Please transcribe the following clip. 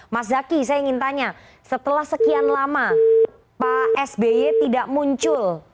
mas zaky saya ingin tanya setelah sekian lama pak sby tidak muncul